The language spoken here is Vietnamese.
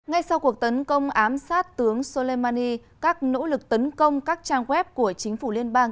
ngay sau cuộc tấn công ám sát tướng soleimani các nỗ lực tấn công các trang web của chính phủ liên bang